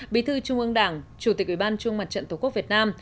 bí thư trung ương đảng chủ tịch ủy ban trung mặt trận tổ quốc việt nam